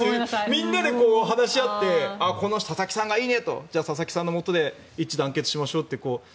みんなで話し合ってこの人、佐々木さんがいいねとじゃあ、佐々木さんのもとで一致団結しましょうと。